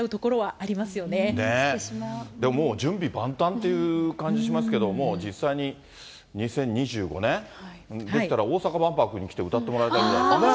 でももう準備万端という感じがしますけれども、実際に２０２５年、できたら大阪万博に来て歌ってもらいたいですね。